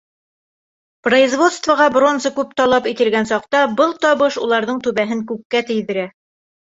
Производствоға бронза күп талап ителгән саҡта был «табыш» уларҙың түбәһен күккә тейҙерә.